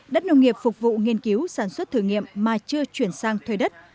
đất nông nghiệp phục vụ nghiên cứu sản xuất thử nghiệm mà chưa chuyển sang thuê đất